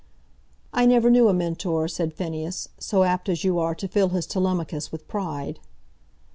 "I never knew a Mentor," said Phineas, "so apt as you are to fill his Telemachus with pride."